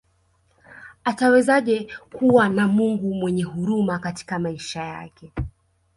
Atawezaje kuwa na Mungu mwenyehuruma katika maisha yake